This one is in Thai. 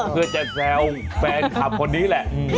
เพื่อจะแซวแฟนคลับคนนี้แหละ